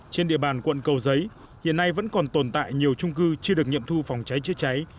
trên địa bàn quận cầu giấy hiện nay vẫn còn tồn tại nhiều trung cư chưa được nghiệm thu phòng cháy chữa cháy